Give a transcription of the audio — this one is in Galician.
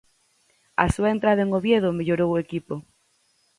A súa entrada en Oviedo mellorou o equipo.